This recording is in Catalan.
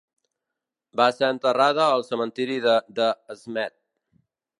Va ser enterrada al cementiri de De Smet.